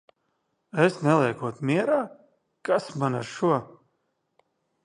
Es neliekot mierā? Kas man ar šo!